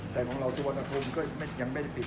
แต่ของเราสุวรรณภูมิก็ยังไม่ได้ปิด